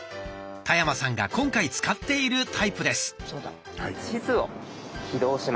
田山さんが今回使っているタイプです。